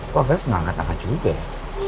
kok fers ngangkat angkat juga ya